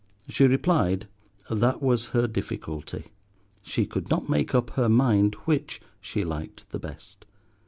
She replied, that was her difficulty. She could not make up her mind which she liked the best.